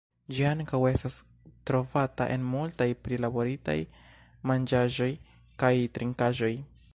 Ĝi ankaŭ estas trovata en multaj prilaboritaj manĝaĵoj kaj trinkaĵoj.